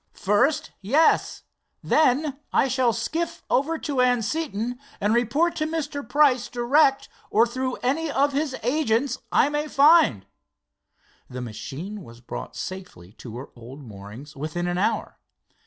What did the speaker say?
"First, yes. Then I shall skiff over to Anseton and report to Mr. Price direct or through any of his agents I may find." The machine was brought safely to her old moorings within an hour.